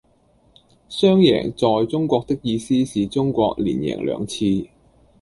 雙贏在中國的意思是中國連贏兩次